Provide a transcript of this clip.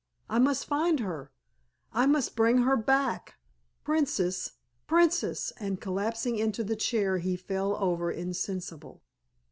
I must find her—I must bring her back—Princess, Princess!" and collapsing into the chair he fell over insensible.